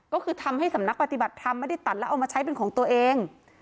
ก็คือทำให้สำนักปฏิบัติธรรมไม่ได้ตัดแล้วเอามาใช้เป็นของตัวเอง